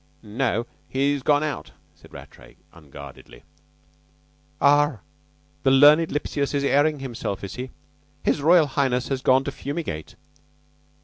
"No, he's gone out," said Rattray unguardedly. "Ah! The learned Lipsius is airing himself, is he? His Royal Highness has gone to fumigate."